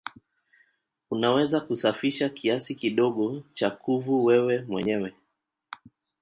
Unaweza kusafisha kiasi kidogo cha kuvu wewe mwenyewe.